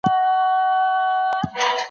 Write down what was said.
په قدم وهلو کي د خلکو ارامي نه ګډوډېږي.